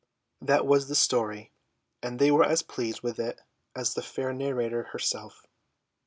That was the story, and they were as pleased with it as the fair narrator herself.